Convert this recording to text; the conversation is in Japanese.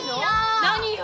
何よ！